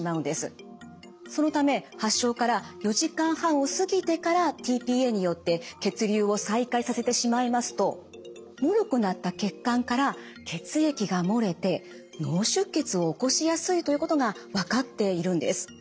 そのため発症から４時間半を過ぎてからｔ−ＰＡによって血流を再開させてしまいますともろくなった血管から血液が漏れて脳出血を起こしやすいということが分かっているんです。